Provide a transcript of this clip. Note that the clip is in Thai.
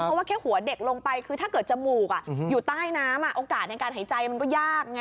เพราะว่าแค่หัวเด็กลงไปคือถ้าเกิดจมูกอยู่ใต้น้ำโอกาสในการหายใจมันก็ยากไง